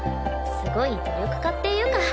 すごい努力家っていうか。